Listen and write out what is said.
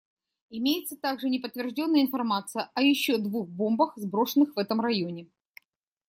Имеется также неподтвержденная информация о еще двух бомбах, сброшенных в этом районе.